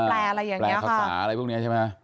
แปลคับสาอะไรพวกนี้ใช่ไหม